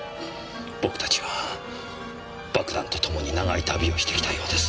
僕たちは爆弾と共に長い旅をしてきたようです。